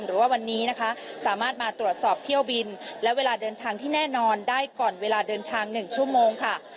หรือว่าวันนี้นะคะสามารถมาตรวจสอบเที่ยวบินและเวลาเดินทางที่แน่นอนได้ก่อนเวลาเดินทาง๑ชั่วโมงค่ะ